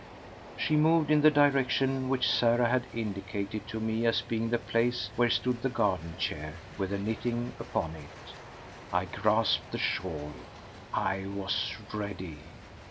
She moved in the direction which Sarah had indicated to me as being the place where stood the garden chair with the knitting upon it. I grasped the shawl. I was ready.